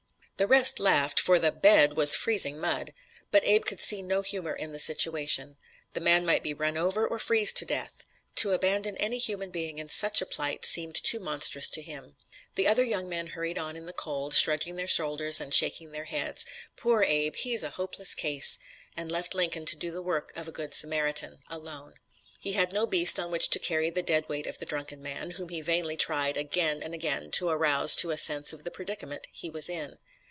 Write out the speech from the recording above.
The rest laughed for the "bed" was freezing mud. But Abe could see no humor in the situation. The man might be run over, or freeze to death. To abandon any human being in such a plight seemed too monstrous to him. The other young men hurried on in the cold, shrugging their shoulders and shaking their heads "Poor Abe! he's a hopeless case," and left Lincoln to do the work of a Good Samaritan alone. He had no beast on which to carry the dead weight of the drunken man, whom he vainly tried, again and again, to arouse to a sense of the predicament he was in.